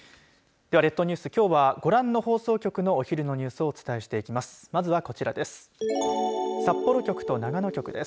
では列島ニュース、きょうはご覧の放送局のお昼のニュースをお伝えしていきます。